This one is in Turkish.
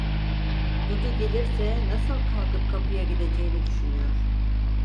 Dudu gelirse nasıl kalkıp kapıya gideceğini düşünüyor.